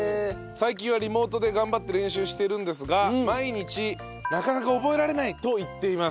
最近はリモートで頑張って練習しているんですが毎日「なかなか覚えられない！」と言っています。